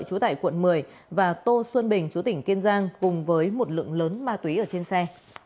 chú tại quận một mươi và tô xuân bình chú tỉnh kiên giang cùng với một lượng lớn ma túy ở trên xe